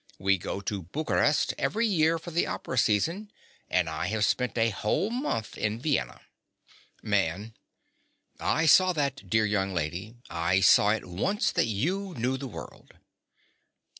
We go to Bucharest every year for the opera season; and I have spent a whole month in Vienna. MAN. I saw that, dear young lady. I saw at once that you knew the world.